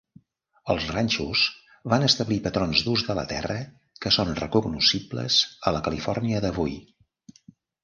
Els ranxos van establir patrons d'ús de la terra que són recognoscibles a la Califòrnia d'avui.